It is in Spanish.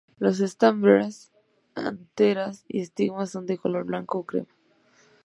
Los estambres, anteras y estigmas son de color blanco o crema.